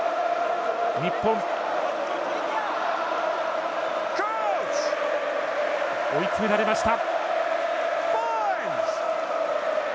日本、追い詰められました。